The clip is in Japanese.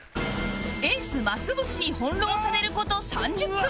エース増渕に翻弄される事３０分